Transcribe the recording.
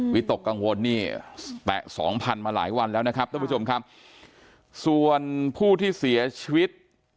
วิตกกังวลนี่แตะสองพันมาหลายวันแล้วนะครับท่านผู้ชมครับส่วนผู้ที่เสียชีวิต